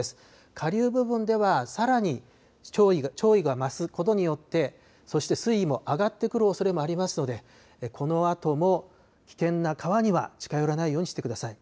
下流部分ではさらに潮位が増すことによってそして水位も上がってくるおそれもありますのでこのあとも危険な川には近寄らないようにしてください。